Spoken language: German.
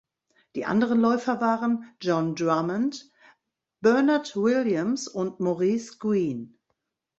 Die anderen Läufer waren: Jon Drummond, Bernard Williams und Maurice Greene.